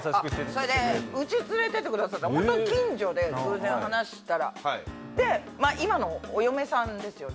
それで家連れてってくださってホントに近所で偶然話したらで今のお嫁さんですよね。